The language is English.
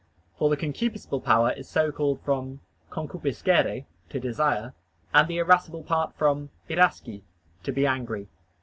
For the concupiscible power is so called from "concupiscere" (to desire), and the irascible part from "irasci" (to be angry).